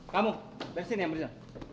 kamu berisi nih yang berisi